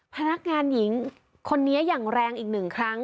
พนักงานหญิงคนนี้อย่างแรงอีกหนึ่งครั้ง